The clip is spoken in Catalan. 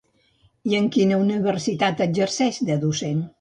I en quina universitat exerceix de docent?